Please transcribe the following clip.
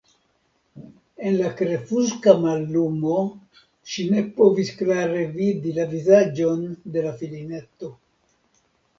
En la krepuska mallumo ŝi ne povis klare vidi la vizaĝon de la filineto.